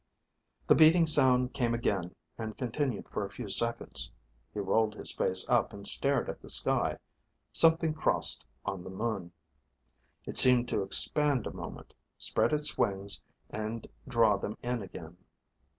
The beating sound came again and continued for a few seconds. He rolled his face up and stared at the sky. Something crossed on the moon. It seemed to expand a moment, spread its wings, and draw them in again.